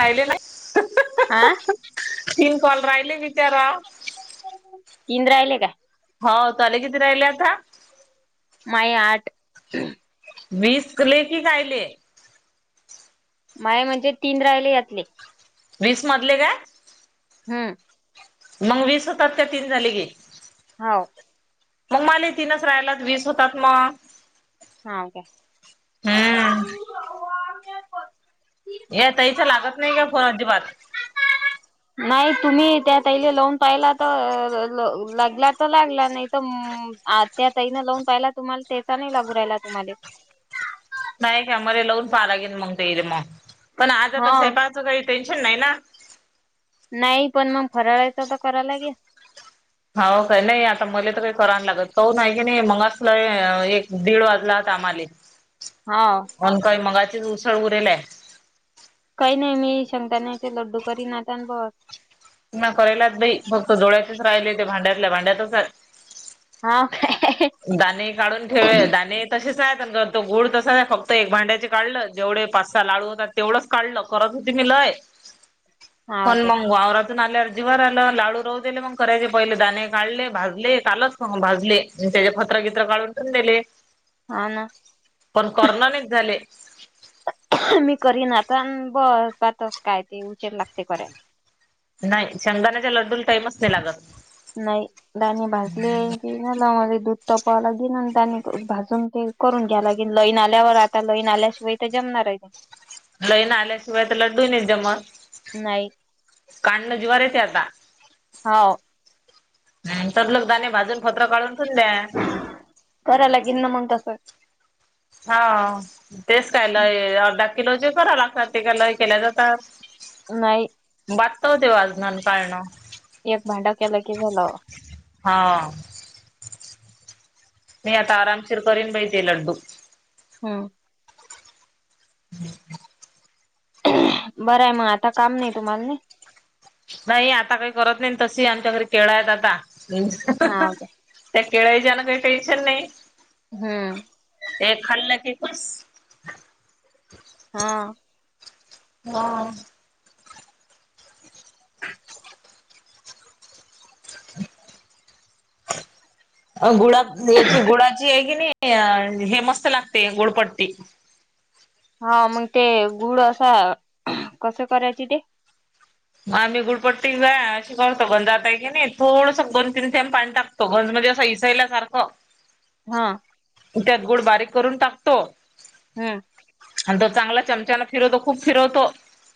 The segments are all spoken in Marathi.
राहिले हॅलो. आ नाही, तीन कॉल राहिले बिचारा. तीन राहिले काय? हो तले किती राहिले आता? माये आठ. वीस कले की कायले? माये म्हणजे तीन रायले यातले. वीस मधले का? हम्म. मग वीस होतात का, तीन झाली की? हाव. मग मला तीनच राहायला वीस होतात मग. हां काय? हम्म [unintelligible] या ताईचं लागत नाही का फोन अजिबात? नाही तुम्ही त्या ताईले लावून पाहिला तर लागला तर लागला नाही तर ह त्या ताईना लावून पाहिला तुम्हाला त्याचा नाही लागू राहिला तुम्हाला? नाही का माले लावून पहाला लागेल मग ताईला मग पण आज आता हा. सैपाकाचं काही टेन्शन नाही ना? नाही पण मग फराळायचं तर कराव लागेल. हाव काय? नाही आता मला तर करायला लागत कौ नाही आहे की नाही मंग असलं एक दीड वाजलाता आम्हाले. [inaudible] हा अन काय, मगाचीच उसळ उरेलाय. काय नाय मी शेंगदाण्याचे लड्डू करीनं आता आणि बस ना करायलाच बई, फक्त जोळ्याचेच राहिले ते भांड्यातल्या भांड्यातच हाय हो काय? दाणे काढून ठेवे दाणे तसेच आहेत. तो गुळ तसाचं ये फक्त एक भांड्याचे काढलनं. जेवढे पाच सहा लाडू होतात तेवढंच काढलं, करत होते मी लय, हाव पण काय मंग वावरात तिथून आल्यावर जिवावर आलं. लाडू राहूदेले मंग करायचे पहिले दाणे काढले भाजले कालच मग भाजले. मंग त्याचे फत्रांकित्रां काढून ठेऊन दिले, हाव ना. पण करर्ण नाहीच झाले. मी करीन आता बस जातस काय ते उचेर लागतय करायला. नाय शेंगदाण्याच्या लड्डूला टाईमच नाय लागत. नाही दाणे भाजले की, झाल म मी दूध तापावाला घेईन आणि दाने भाजून घेईन. करून घ्याय लागेल लईन आल्यावर आता लईन आल्याशिवाय त जमणार हाय का लईन आल्याशिवाय त लड्डू नाही जमत. नाही काडनं जीवावर येत आता हाव. हूं, तद लक दाणे भाजून फत्र काढून ठेऊन द्या. कराय लागिल ना मंग तसं हा तेच काय, लय अर्धा किलो चे करावे लागतात ते काय लय केल्या जातात. नाही. बादत होते आज ननं पाळणं एक भांडा केला की झाल हा मी आता आरामशीर करीन बाई ते लड्डू हम्मं [unintelligible] बरंय म आता काम नाही, तुम्हाला नाय. नाही, आता काय करत नाय तशही आमच्या घरी केळ आहेत आता हाव काय त्या केळय च्यान काय का टेन्शन नाय. हम्म एक खाल्लं की फूस हा हा अ गुळात, याची गुळाची हाय की नी ते हे मस्त लागते गुळपट्टी हा मंग ते गुळ असा कसं करायची ते म आम्ही गुळपट्टी [unintelligible] अशी करतो पण जाताय की नाय, थोडसं दोन तीन थेंब पाणी टाक तो गंज मध्ये असा इसायल्या सारखं हा त्यात गुळ बारीक करून टाकतो. हा आणि तो चांगला चमचाना फिरवतो. खूप फिरवतो.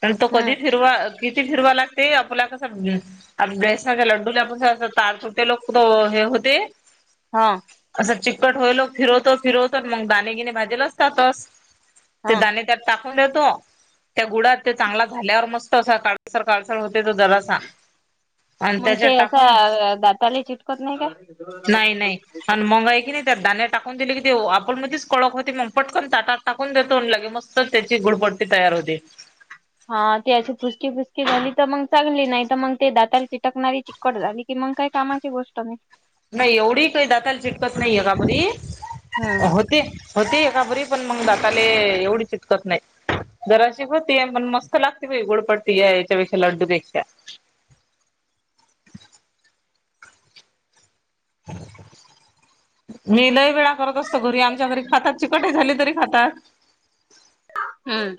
आणि तो हम्म कधी फिरवा किती फिरवा लागते आपला कसां आप बेसना का लड्डूला आपण कस तार फुटायलोक हे होते. हा असं चिकट होईलो फिरवतो फिरवतो. मंग दाणे गिणे भाजेल असतातचं. ते हा दाणे त्यात टाकून देतो त्या गुळात ते चांगला झाल्यावर मस्त असआता. सकाळ होते तो त्याला सांग. मग ते असं दाताले चिटकत नाही का. नाही नाही आणि मगाय की नाही तर दाण्या टाकून दिले की ते आपण मधच कळख होते मग पटकन तााटात. टाकून देत होते लागे मस्त त्याची गुळपट्टी तयार होते. हा ते पुसकी पुसकी झाली तर मग चांगली नाही तर मग ती दाताला चिटकणारी कड की काय कामाची गोष्ट नाही. नाही एवढी काही दाताल चीटकत नाहीये हम्म ते एवढी बरी पण मग दाताले एवढी चिटकत नाही. जरा अशी होतीय पण मस्त लागते भई गुळ बट्टी या याच्यापेक्षा लंडुपेक्षा. ह... मी लय वेळा करत असतो घरी आमच्या घरी खातात चिकटे झाली तरी खातात. हम्म...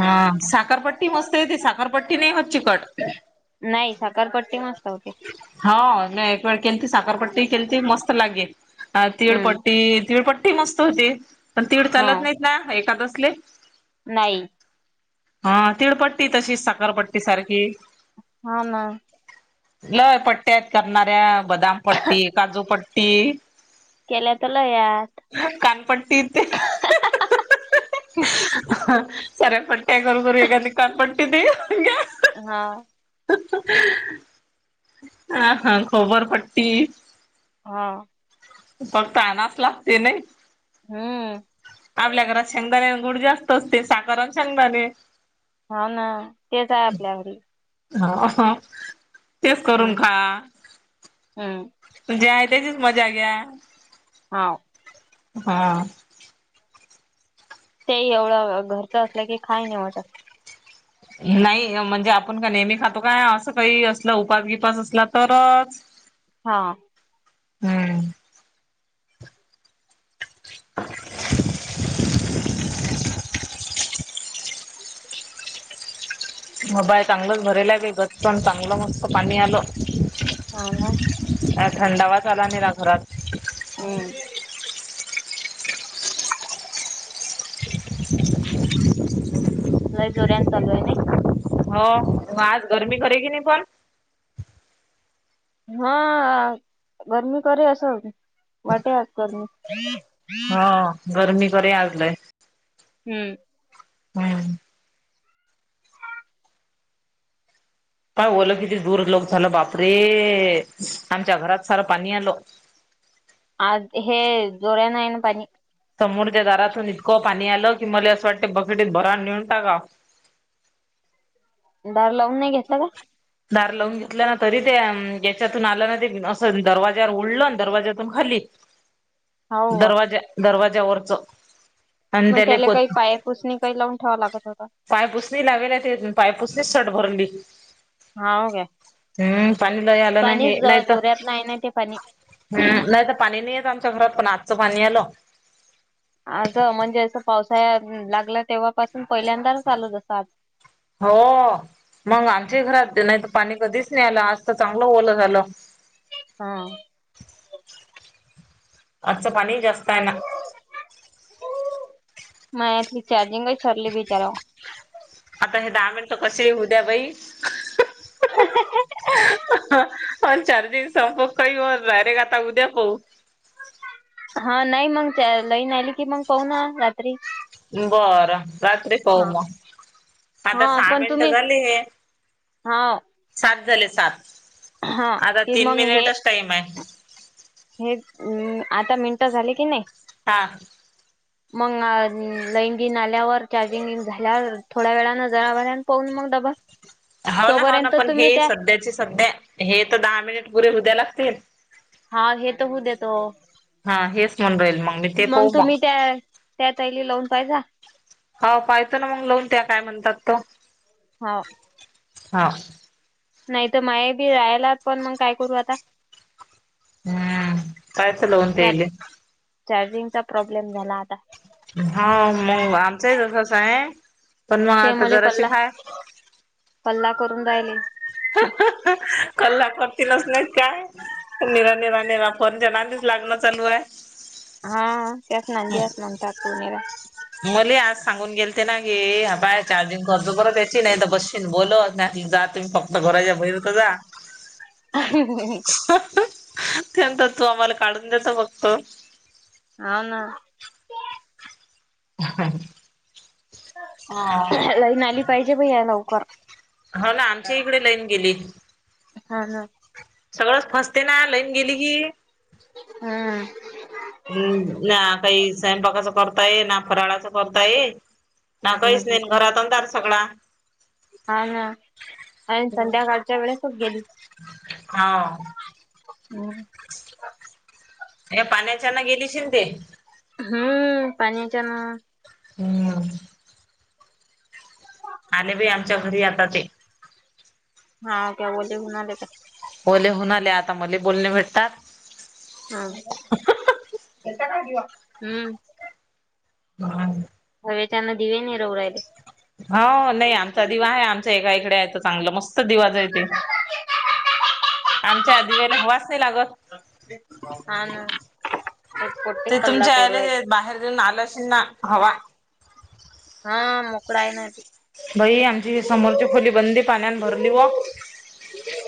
ह साखरपट्टी मस्त येते साखरपट्टी नाही होत चिकट. नाही साखरपट्टी मस्त होते. हा ते एक वेळ केलती साखरपट्टी केलती मस्त लागेल हम्म तीळपट्टी, तीळपट्टी. ती मस्त होती पण तीळ हा चालत नाहीत ना एकादसले. नाही.. हा तीळपट्टी तशीच साखरपट्टी सारखी. हा ना लय पट्ट्यात करणाऱ्या बदाम पट्टी काजूपट्टी. केल्या ल यात. कानपट्टी ते. सगळ्या पट्या करु करु एखादी कानपट्टि देईल. हा.. [unintelligible] हा.. [unintelligible] हम्म.. आपल्या घरात शेंगदाणे गुड जास्त असते साखर आणि शेंगदाणे. हो ना तेच आपल्याकडे. हो तेच करून खा. हम्.. [unintelligible] हाव.. हा ते एवढं [inaudible] असलं की काय नाही वाटत. नाही आपण नेहमी खातो काय काही असं उपास बीपास असला तरच. [inaudible] हा... हम्म... [unintelligible] [unintelligible] [unintelligible] [inaudible] हम्... लय जोऱ्यान चालू आहे ना? [unintelligible] [inaudible] [unintelligible] हम्म हम्म [unintelligible] आज हे जोराने हेना पाणी. [unintelligible] दार नाही लावून घेतलं का? दार लावून घेतलं ना तरी त्या याच्यातून आलं ना ते असं दरवाज्यावर उडलं दरवाज्यातून खाली. हाव का? दरवाज्या दरवाज्यावरच आणि मग त्याले त्याला प काही पायपुसणी काय लावून ठेवावं लागतं का? [unintelligible] हाव काय? [unintelligible] हम्म पाणीच लयदा जोऱ्यात नाही ना ते पाणी पाणी नाही येत पण आजचं पाणी आलं. आज म्हणजे असं पावसाळ्या लागला तेव्हापासून पहिल्यांदाच चालू जसं आज हो मग आमच्या घरात नाही तर पाणी कधीच नाही आलं आज तर चांगलं ओलं झालं. हम्म आजचं पाणी जास्त आहे ना? [unintelligible] आता हे दहा मिनटं कसे येऊ द्या बाई. [unintelligible] [unintelligible] [unintelligible] [inaudible] बरं चालतंय पाहू हा मग आता हा सहा पण मिनिटं तुम्ही झाली हे हा सात झाले सात. हा आ की तीन मग हे मिनिटच टाईम आहे. हे आता मिनटं झाले की नाही? हा मग लाईनगीन आल्यावर चार्जिंग झाल्यावर थोड्या वेळा पाहून मग डबा हो ना ह ना तोपर्यंत पण हे तुम्ही त्या सध्याची सध्या हे तर दहा मिनिटं पुरे होऊ दयाव लागतेत. हा हे तर होऊ देतो ओ. हा हेच म्हणून राहीले मग मी ते पाहू मग त्याार [unintelligible] त्या ताईलीला लावून पाहिजा. हो पाहेच ना मग लवून त्या काय म्हणतात तो हो हा नाही तर माय बी राहालात पण मग काय करू आता? हम्म कायतल चार वतेईले [unintelligible] चार्जिंगचा प्रॉब्लेम झाला आता. हम्म मग आमचंही तसंच आहे पण मग जराशी हाय पल्ला करून राहिले. काल [unintelligible] केलाच नाही काय निरा निरा निरा फण जनानीच लागणं चालू आहे. हा त्यास नंदीयात म्हणतात [unintelligible] मले आज सांगून गेल ते ना की ह बाय चार्जिंग करतो [unintelligible] याची नाही तर बसशीन बोलत. नाही जाते तुम्ही फक्त घराच्या बहिर तर जा. [unintelligible] त्यांतर तू आम्हाला काढून देत बघतो. हाव ना. [unintelligible] लाईन आली पाहिजे बया लवकर. हो ना आमच्या इकडे लाईन गेली. हा ना. सगळंच फसते ना लाईन गेली की. हम्म. हम्म ना आता ही स्वयंपाकाचं करताय ना फराळाचं करतायई. हम्म काहीच नाही घरात अंधार सगळा. हा ना ऐन संध्याकाळच्या वेळेसचं गेली. हा हम्म. या पाण्याच्याना गेली [unintelligible] हम्म पाणीच्यानं. हम्म. आले बाई आमच्या घरी आता ते. हा का? वले होऊन आले का? ओले होऊन आले आता मले बोलणे भेटतात. हम्म [unintelligible] हम्म. [unintelligible] हवेच्यानं दिवे नाही राहू राहिले. हो नाही आमचा दिवा आहे आमचा एका इकड याच चांगलं मस्त दिवा जळते. [unintelligible] आमच्या दिव्याला हवाच नाही लागत. हा ना. एक पोट्टे ते कल्ला तुमच्या करू राहिले याले बाहेर देऊन आलं असेल ना हवा. हा मोकळाय ना ते. भाई आमची समोरची खोली बंदी पाण्यानं भरली व.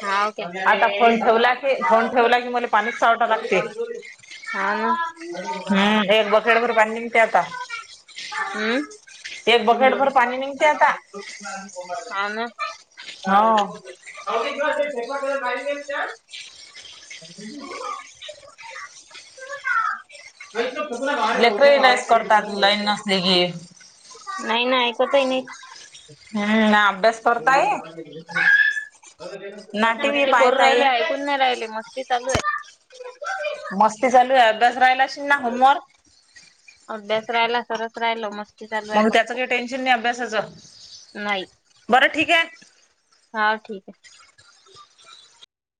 हाव आता फोन ठेवला की काय फोन ठेवला की पाणीच सावटा हा लागते. ना. हम्म. हम्म एक हा बकेट भर पाणी निघते आता. अम्म? एक बकेटभर पाणी निघते आता. हा ना. हो. [unintelligible] [unintelligible] लेकर लईच करतात लाईन नसली की नाही नाही ऐकतही नाही. हम्म ना अभ्यास करताय ना टी व्ही मस्ती करू पाहताय राहिला ऐकू च नाही राहिले मस्ती चालू आहे. मस्ती चालू झाली अभ्यास राहिला असेल ना होमवर्क? अभ्यास राहिला सगळंच राहिलं मग म्हणून त्याचं काही टेन्शन नाही अभ्यासाचं नाही बरं ठीक आहे हा ठीक आहे